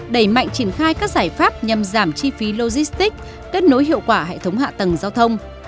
đầy mạnh triển khai các giải pháp nhằm giảm chi phí logistic đất nối hiệu quả hệ thống hạ tầng giao thông